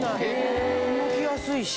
動きやすいし。